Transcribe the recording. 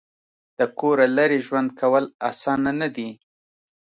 د کوره لرې ژوند کول اسانه نه دي.